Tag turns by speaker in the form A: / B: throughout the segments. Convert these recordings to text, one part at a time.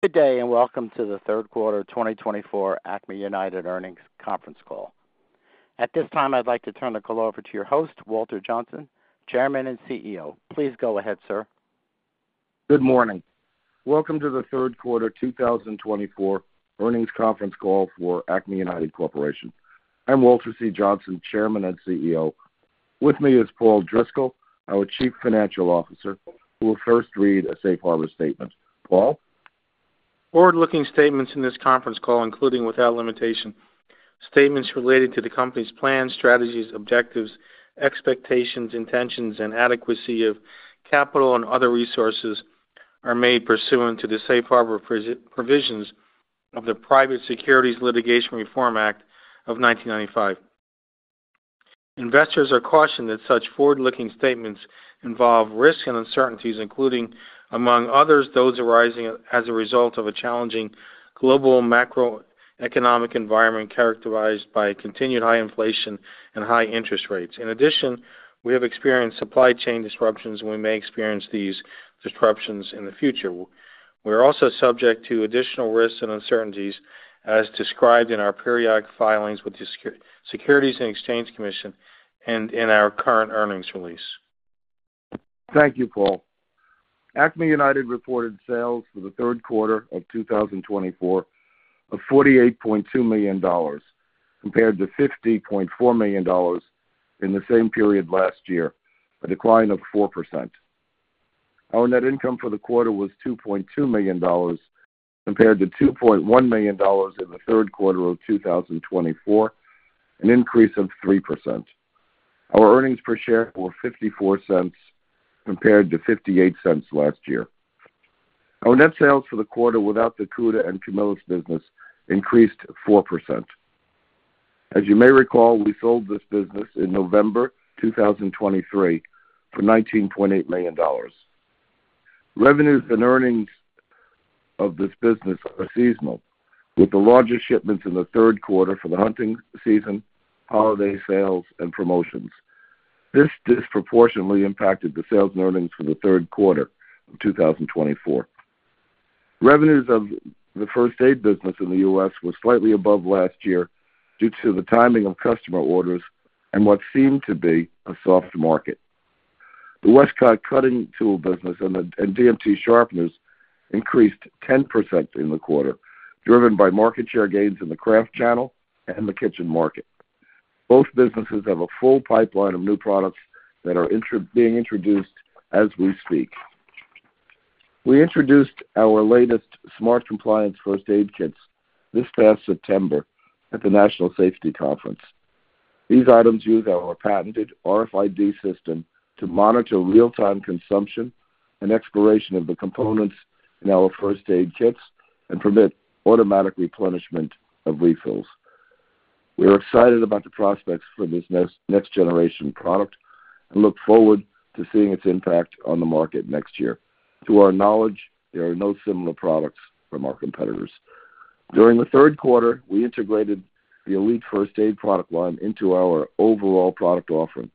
A: Good day, and welcome to the third quarter 2024 Acme United Earnings Conference Call. At this time, I'd like to turn the call over to your host, Walter Johnson, Chairman and CEO. Please go ahead, sir.
B: Good morning. Welcome to the third quarter 2024 earnings conference call for Acme United Corporation. I'm Walter C. Johnson, Chairman and CEO. With me is Paul Driscoll, our Chief Financial Officer, who will first read a safe harbor statement. Paul?
C: Forward-looking statements in this conference call, including without limitation, statements related to the company's plans, strategies, objectives, expectations, intentions, and adequacy of capital and other resources, are made pursuant to the safe harbor provisions of the Private Securities Litigation Reform Act of 1995. Investors are cautioned that such forward-looking statements involve risks and uncertainties, including, among others, those arising as a result of a challenging global macroeconomic environment characterized by continued high inflation and high interest rates. In addition, we have experienced supply chain disruptions, and we may experience these disruptions in the future. We're also subject to additional risks and uncertainties as described in our periodic filings with the Securities and Exchange Commission and in our current earnings release.
B: Thank you, Paul. Acme United reported sales for the third quarter of 2024 of $48.2 million, compared to $50.4 million in the same period last year, a decline of 4%. Our net income for the quarter was $2.2 million, compared to $2.1 million in the third quarter of 2024, an increase of 3%. Our earnings per share were $0.54, compared to $0.58 last year. Our net sales for the quarter, without the Cuda and Camillus business, increased 4%. As you may recall, we sold this business in November 2023 for $19.8 million. Revenues and earnings of this business are seasonal, with the largest shipments in the third quarter for the hunting season, holiday sales, and promotions. This disproportionately impacted the sales and earnings for the third quarter of 2024. Revenues of the first aid business in the U.S. was slightly above last year due to the timing of customer orders and what seemed to be a soft market. The Westcott Cutting Tool business and DMT sharpeners increased 10% in the quarter, driven by market share gains in the craft channel and the kitchen market. Both businesses have a full pipeline of new products that are being introduced as we speak. We introduced our latest Smart Compliance first aid kits this past September at the National Safety Conference. These items use our patented RFID system to monitor real-time consumption and expiration of the components in our first aid kits and permit automatic replenishment of refills. We are excited about the prospects for this next, next-generation product and look forward to seeing its impact on the market next year. To our knowledge, there are no similar products from our competitors. During the third quarter, we integrated the Elite First Aid product line into our overall product offering.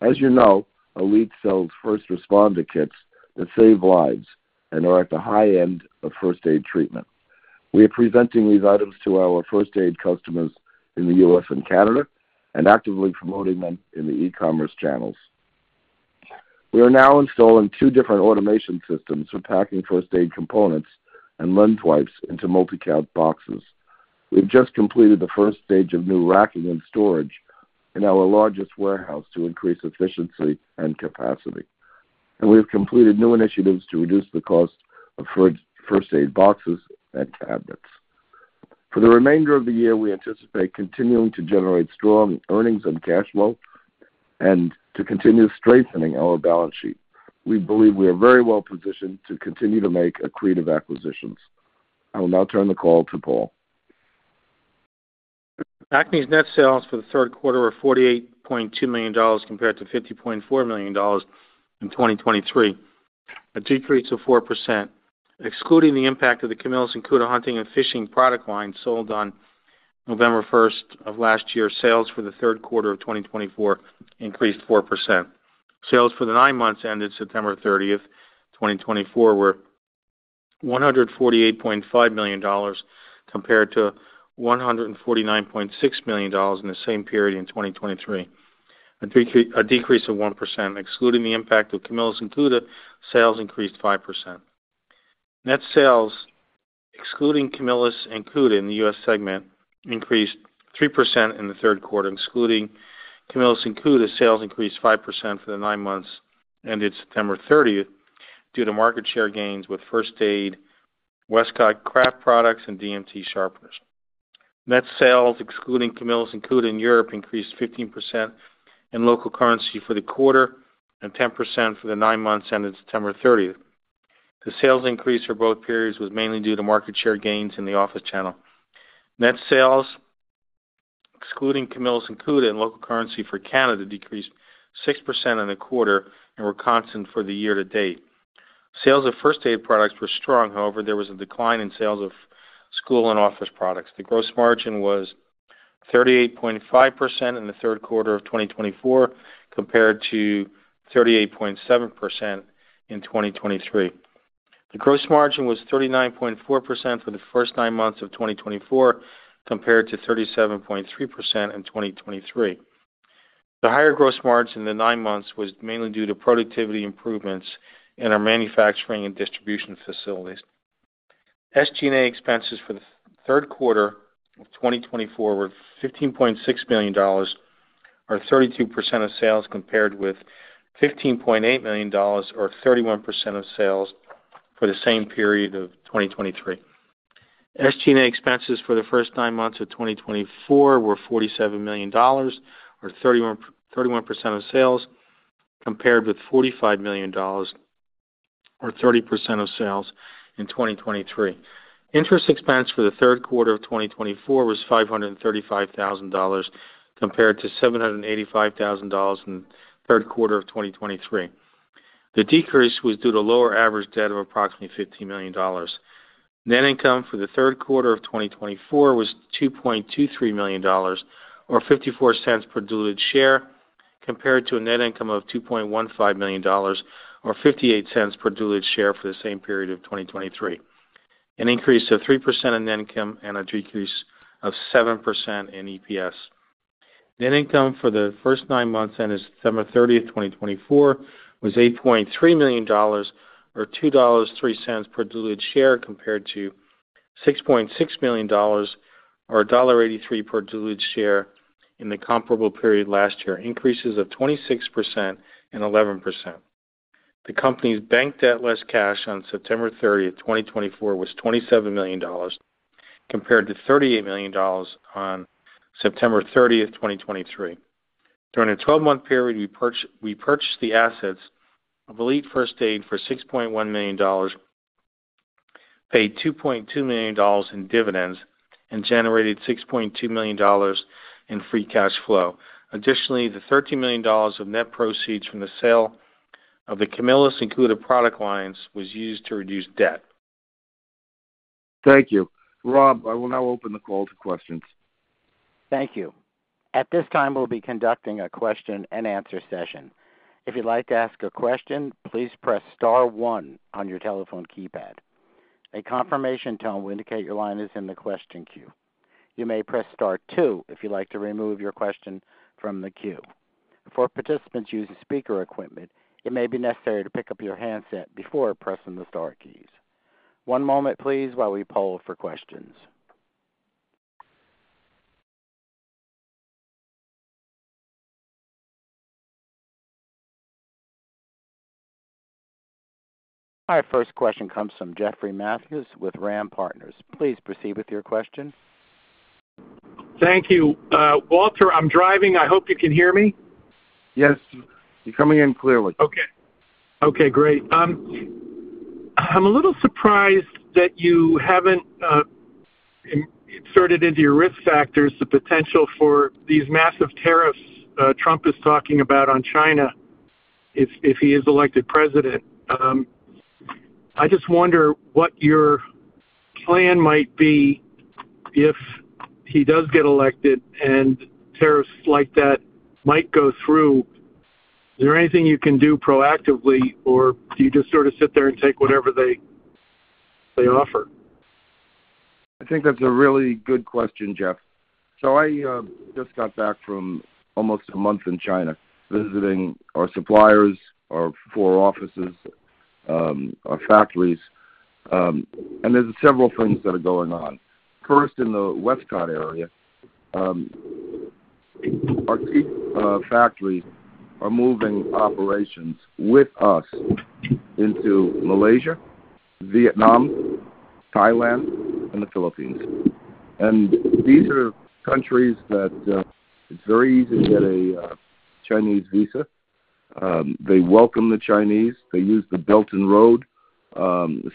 B: As you know, Elite sells first responder kits that save lives and are at the high end of first aid treatment. We are presenting these items to our first aid customers in the U.S. and Canada and actively promoting them in the e-commerce channels. We are now installing two different automation systems for packing first aid components and alcohol wipes into multi-count boxes. We've just completed the first stage of new racking and storage in our largest warehouse to increase efficiency and capacity, and we have completed new initiatives to reduce the cost of first aid boxes and cabinets. For the remainder of the year, we anticipate continuing to generate strong earnings and cash flow and to continue strengthening our balance sheet. We believe we are very well positioned to continue to make accretive acquisitions. I will now turn the call to Paul.
C: Acme's net sales for the third quarter were $48.2 million, compared to $50.4 million in 2023, a decrease of 4%. Excluding the impact of the Camillus and Cuda hunting and fishing product line sold on November 1 of last year, sales for the third quarter of 2024 increased 4%. Sales for the nine months ended September 30, 2024, were $148.5 million, compared to $149.6 million in the same period in 2023, a decrease of 1%. Excluding the impact of Camillus and Cuda, sales increased 5%. Net sales, excluding Camillus and Cuda in the U.S. segment, increased 3% in the third quarter. Excluding Camillus and Cuda, sales increased 5% for the nine months ended September thirtieth due to market share gains with first aid, Westcott craft products, and DMT sharpeners. Net sales, excluding Camillus and Cuda in Europe, increased 15% in local currency for the quarter and 10% for the nine months ended September thirtieth. The sales increase for both periods was mainly due to market share gains in the office channel. Net sales, excluding Camillus and Cuda in local currency for Canada, decreased 6% in the quarter and were constant for the year to date. Sales of first aid products were strong. However, there was a decline in sales of school and office products. The gross margin was-...38.5% in the third quarter of 2024, compared to 38.7% in 2023. The gross margin was 39.4% for the first nine months of 2024, compared to 37.3% in 2023. The higher gross margin in the nine months was mainly due to productivity improvements in our manufacturing and distribution facilities. SG&A expenses for the third quarter of 2024 were $15.6 million, or 32% of sales, compared with $15.8 million or 31% of sales for the same period of 2023. SG&A expenses for the first nine months of 2024 were $47 million, or 31% of sales, compared with $45 million, or 30% of sales in 2023. Interest expense for the third quarter of 2024 was $535,000, compared to $785,000 in the third quarter of 2023. The decrease was due to lower average debt of approximately $15 million. Net income for the third quarter of 2024 was $2.23 million, or $0.54 per diluted share, compared to a net income of $2.15 million, or $0.58 per diluted share for the same period of 2023. An increase of 3% in net income and a decrease of 7% in EPS. Net income for the first nine months ended September 30, 2024, was $8.3 million, or $2.03 per diluted share, compared to $6.6 million, or $1.83 per diluted share in the comparable period last year, increases of 26% and 11%. The company's bank debt, less cash on September 30, 2024, was $27 million, compared to $38 million on September 30, 2023. During a 12-month period, we purchased the assets of Elite First Aid for $6.1 million, paid $2.2 million in dividends, and generated $6.2 million in free cash flow. Additionally, the $13 million of net proceeds from the sale of the Camillus and Cuda product lines was used to reduce debt.
B: Thank you. Rob, I will now open the call to questions.
A: Thank you. At this time, we'll be conducting a question and answer session. If you'd like to ask a question, please press star one on your telephone keypad. A confirmation tone will indicate your line is in the question queue. You may press star two if you'd like to remove your question from the queue. For participants using speaker equipment, it may be necessary to pick up your handset before pressing the star keys. One moment please, while we poll for questions. Our first question comes from Jeffrey Matthews with Ram Partners. Please proceed with your question.
D: Thank you. Walter, I'm driving. I hope you can hear me.
B: Yes, you're coming in clearly.
D: Okay. Okay, great. I'm a little surprised that you haven't inserted into your risk factors the potential for these massive tariffs Trump is talking about on China if he is elected president. I just wonder what your plan might be if he does get elected and tariffs like that might go through. Is there anything you can do proactively, or do you just sort of sit there and take whatever they offer?
B: I think that's a really good question, Jeff. So I just got back from almost a month in China, visiting our suppliers, our four offices, our factories, and there's several things that are going on. First, in the Westcott area, our key factories are moving operations with us into Malaysia, Vietnam, Thailand, and the Philippines. And these are countries that it's very easy to get a Chinese visa. They welcome the Chinese. They use the Belt and Road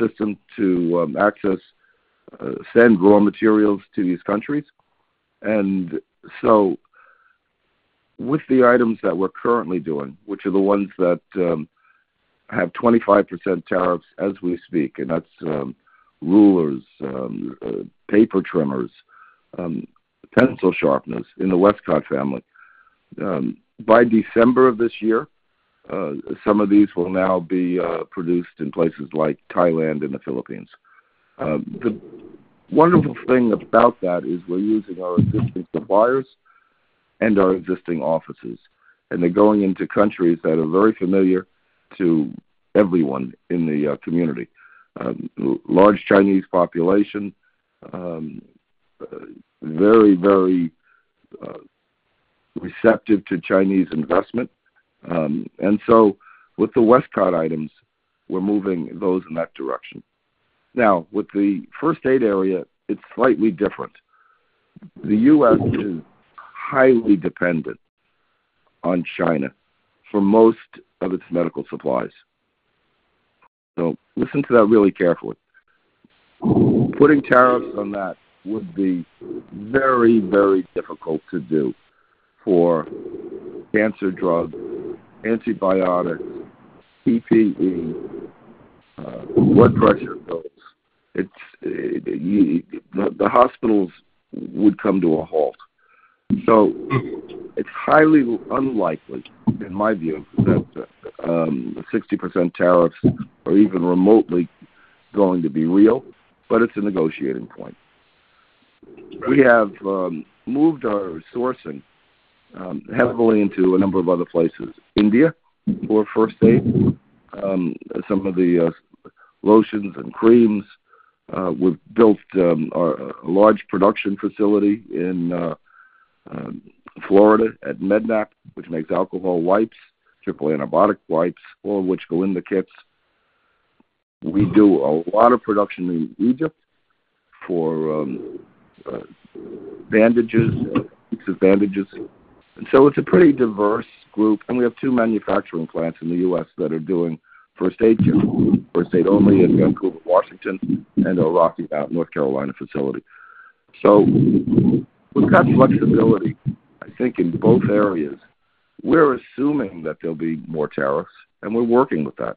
B: system to access and send raw materials to these countries. And so with the items that we're currently doing, which are the ones that have 25% tariffs as we speak, and that's rulers, paper trimmers, pencil sharpeners in the Westcott family. By December of this year, some of these will now be produced in places like Thailand and the Philippines. The wonderful thing about that is we're using our existing suppliers and our existing offices, and they're going into countries that are very familiar to everyone in the community. Large Chinese population, very, very receptive to Chinese investment, and so with the Westcott items, we're moving those in that direction. Now, with the first aid area, it's slightly different. The U.S. is highly dependent on China for most of its medical supplies, so listen to that really carefully. Putting tariffs on that would be very, very difficult to do for cancer drugs, antibiotics, PPE, blood pressure pills. It's the hospitals would come to a halt. So it's highly unlikely, in my view, that 60% tariffs are even remotely going to be real, but it's a negotiating point. We have moved our sourcing heavily into a number of other places. India, for first aid, some of the lotions and creams. We've built a large production facility in Florida at Med-Nap, which makes alcohol wipes, triple antibiotic wipes, all of which go in the kits. We do a lot of production in Egypt for bandages, pieces of bandages, and so it's a pretty diverse group, and we have two manufacturing plants in the U.S. that are doing first aid kits. First Aid Only in Vancouver, Washington, and a Rocky Mount, North Carolina, facility. So we've got flexibility, I think, in both areas. We're assuming that there'll be more tariffs, and we're working with that.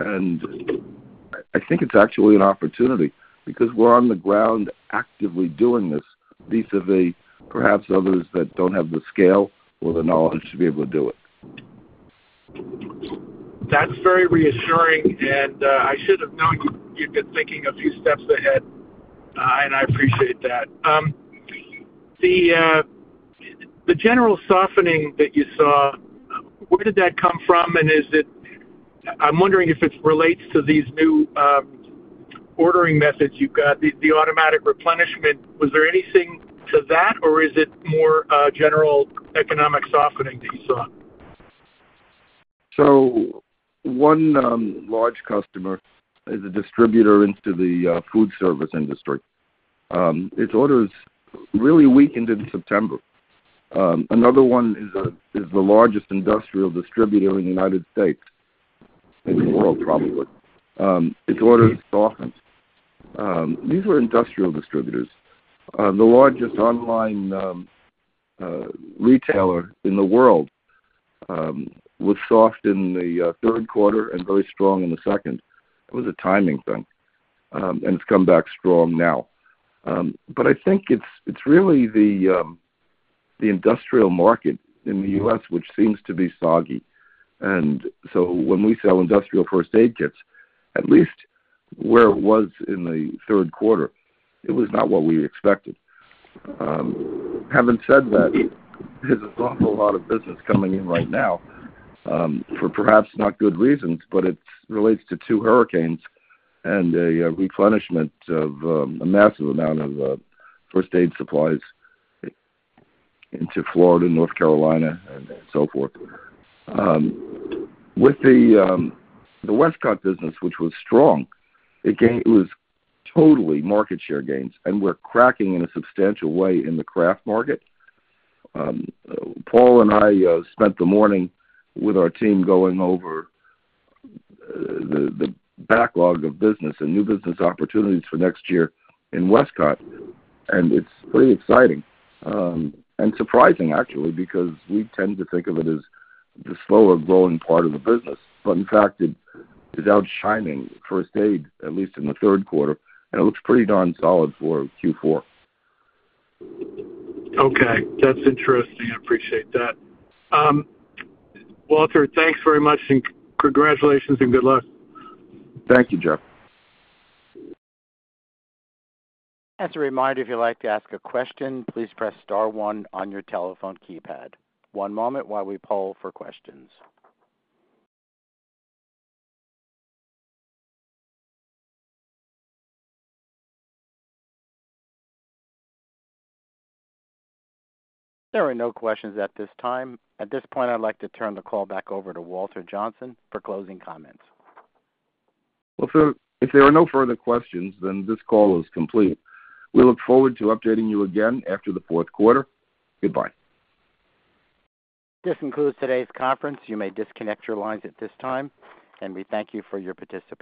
B: I think it's actually an opportunity because we're on the ground actively doing this, vis-a-vis, perhaps others that don't have the scale or the knowledge to be able to do it.
D: That's very reassuring, and I should have known you, you've been thinking a few steps ahead, and I appreciate that. The general softening that you saw, where did that come from, and is it... I'm wondering if it relates to these new ordering methods you've got, the automatic replenishment. Was there anything to that, or is it more general economic softening that you saw?
B: So one large customer is a distributor into the food service industry. Its orders really weakened in September. Another one is the largest industrial distributor in the United States, maybe the world, probably. Its orders softened. These were industrial distributors. The largest online retailer in the world was soft in the third quarter and very strong in the second. It was a timing thing. And it's come back strong now. But I think it's really the industrial market in the US, which seems to be soggy. And so when we sell industrial first aid kits, at least where it was in the third quarter, it was not what we expected. Having said that, there's an awful lot of business coming in right now, for perhaps not good reasons, but it relates to two hurricanes and a replenishment of a massive amount of first aid supplies into Florida, North Carolina, and so forth. With the Westcott business, which was strong, it was totally market share gains, and we're cracking in a substantial way in the craft market. Paul and I spent the morning with our team going over the backlog of business and new business opportunities for next year in Westcott, and it's pretty exciting, and surprising, actually, because we tend to think of it as the slower-growing part of the business. But in fact, it is outshining first aid, at least in the third quarter, and it looks pretty darn solid for Q4.
D: Okay, that's interesting. I appreciate that. Walter, thanks very much, and congratulations, and good luck.
B: Thank you, Jeff.
A: As a reminder, if you'd like to ask a question, please press star one on your telephone keypad. One moment while we poll for questions. There are no questions at this time. At this point, I'd like to turn the call back over to Walter Johnson for closing comments.
B: If there are no further questions, then this call is complete. We look forward to updating you again after the fourth quarter. Goodbye.
A: This concludes today's conference. You may disconnect your lines at this time, and we thank you for your participation.